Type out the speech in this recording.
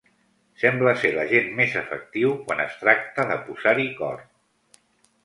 Sembla ser l'agent més efectiu quan es tracta de posar-hi cor.